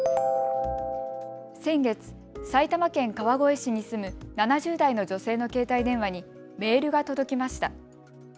先月、埼玉県川越市に住む７０代の女性の携帯電話にメールが届きました。